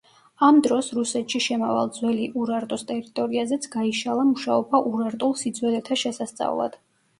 ამ დროს რუსეთში შემავალ ძველი ურარტუს ტერიტორიაზეც გაიშალა მუშაობა ურარტულ სიძველეთა შესასწავლად.